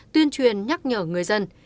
tuyên truyền nhắc nhở người dân